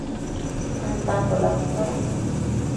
En tanto, la Dra.